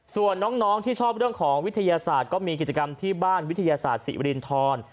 ส่วนน้องที่ชอบเรื่องของวิทยาศาสตร์ก็มีกิจกรรมที่บ้านวิทยาศาสตร์ศิรินทร